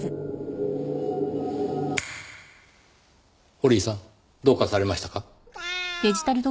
堀井さんどうかされましたか？